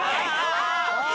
おい！